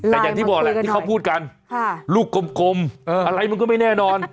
แต่อย่างที่บอกแหละที่เขาพูดกันลูกกลมอะไรมันก็ไม่แน่นอน